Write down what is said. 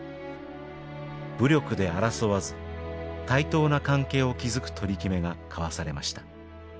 武力で争わず対等な関係を築く取り決めが交わされました。